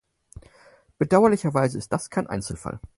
Bedauerlicherweise ist das kein Einzelfall.